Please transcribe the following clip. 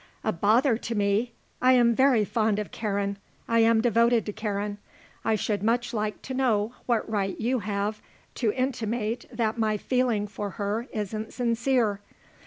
"A bother to me? I am very fond of Karen. I am devoted to Karen. I should much like to know what right you have to intimate that my feeling for her isn't sincere.